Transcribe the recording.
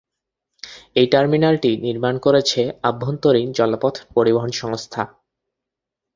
এই টার্মিনালটি নির্মাণ করেছে আভ্যন্তরীণ জলপথ পরিবহন সংস্থা।